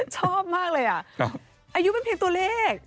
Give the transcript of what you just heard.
ชอบมากเลยอายุเป็นเพียงตัวเลข